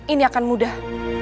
ini akan mudah